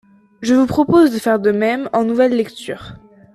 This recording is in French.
Je vous propose de faire de même en nouvelle lecture.